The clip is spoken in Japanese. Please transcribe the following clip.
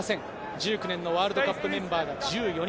１９年のワールドカップメンバー１４人。